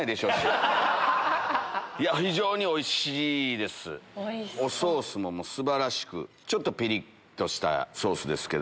非常においしいです。おソースも素晴らしくちょっとピリっとしたソースです。